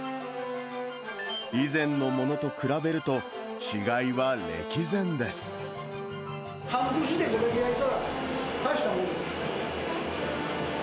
以前のものと比べると、半年でこれだけ焼いたら、大したものです。